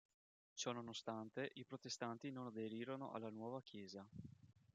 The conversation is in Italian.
Ciononostante, i Protestanti non aderirono alla nuova chiesa.